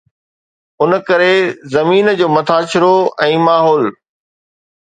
ان ڪري زمين جو مٿاڇرو ۽ ماحول